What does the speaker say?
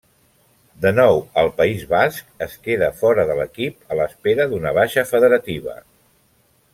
De nou al País Basc, es queda fora de l'equip, a l'espera d'una baixa federativa.